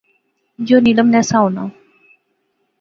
یو نیلم نہسا ہونا